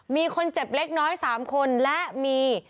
มีคนเจ็บเล็กน้อย๓คนและมี